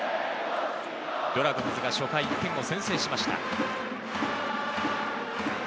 ドラゴンズが初回１点を先制しました。